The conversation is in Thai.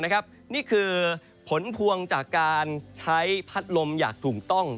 นี่คือผลพวงจากการใช้พัดลมอย่างถูกต้อง